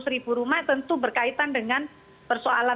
maka subsidi kita kepada seratus rumah tentu berkaitan dengan persoalan pangan